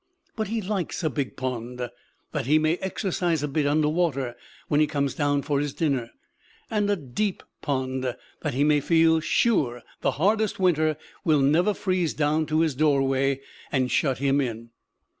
But he likes a big pond, that he may exercise a bit under water when he comes down for his dinner; and a deep pond, that he may feel sure the hardest winter will never freeze down to his doorway and shut him in.